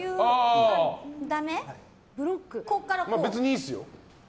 別にいいですよ。